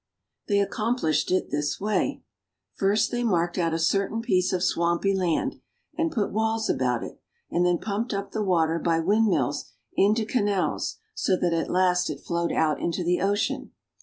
They accomplished it in this way. First they marked out a certain piece of swampy land, and put walls about it, and then pumped up the water by windmills into canals so that at last it flowed out into the ocean.